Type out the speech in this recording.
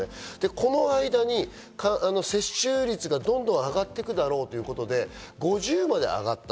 この間に接種率がどんどん上がっていくだろうということで、５０まで上がった。